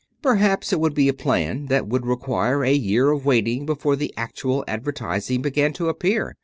Perhaps it would be a plan that would require a year of waiting before the actual advertising began to appear.